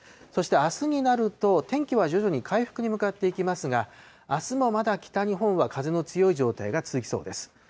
そしてあすになると天気は徐々に回復に向かっていきますが、あすもまだ北日本は風の強い状態が続きそうです。